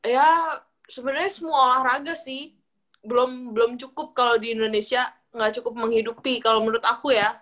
ya sebenarnya semua olahraga sih belum cukup kalau di indonesia nggak cukup menghidupi kalau menurut aku ya